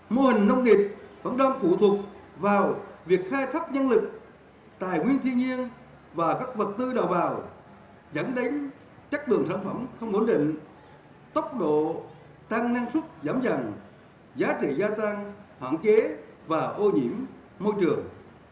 mô hình nông nghiệp vẫn đang phụ thuộc vào việc khai thác nhân lực tài nguyên thiên nhiên và các vật tư đầu vào dẫn đến chất lượng sản phẩm không ổn định tốc độ tăng năng suất giảm dần giá trị gia tăng hạn chế và ô nhiễm môi trường